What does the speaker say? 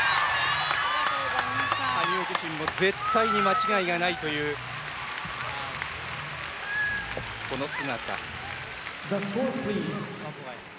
羽生自身も絶対に間違いがないというこの姿。